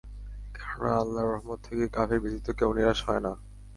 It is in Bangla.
কেননা আল্লাহর রহমত থেকে কাফির ব্যতীত কেউ নিরাশ হয় না।